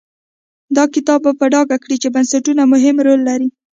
دا کتاب به په ډاګه کړي چې بنسټونه مهم رول لري.